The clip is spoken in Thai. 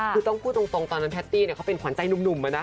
คือต้องพูดตรงตอนนั้นแพตตี้เขาเป็นขวัญใจหนุ่ม